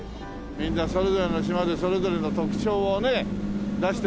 みんなそれぞれの島でそれぞれの特長をね出してるよね。